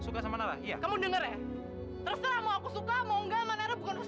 biar mereka tuh gak nyakitin keluarga aku terus